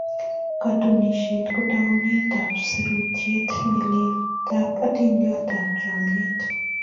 katunisiet ko taunetab surait nelel tab hatindi tab chamyet